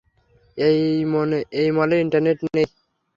এই মলে ইন্টারনেট নেই?